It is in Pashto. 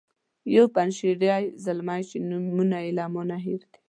یو پنجشیری زلمی چې نومونه یې له ما نه هیر دي.